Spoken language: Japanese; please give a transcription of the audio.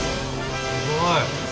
すごい！